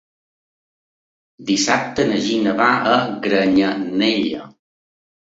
Dissabte na Gina va a Granyanella.